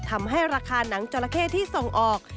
ทำให้ราคาหนังจราเข้ที่ส่งออก